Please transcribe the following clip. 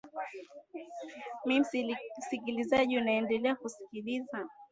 m msikilizaji unaendelea kuskiliza